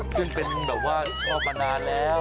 ซึ่งเป็นแบบว่าชอบมานานแล้ว